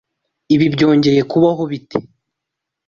Ibi byongeye kubaho bite?